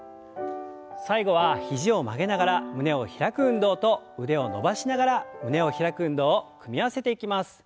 最後は肘を曲げながら胸を開く運動と腕を伸ばしながら胸を開く運動を組み合わせていきます。